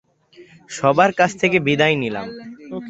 সবার কাছ থেকে বিদায় নিলাম।